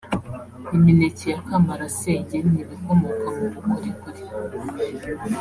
imineke ya kamarasenge n’ibikomoka mu bukorikori